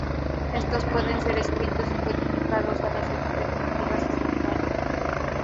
Estos pueden ser escritos y codificados, o las expectativas habituales.